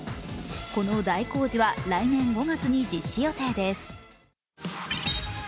この大工事は来年５月に実施予定です。